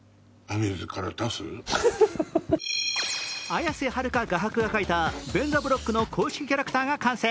綾瀬はるか画伯が描いたベンザブロックの公式キャラクターが完成。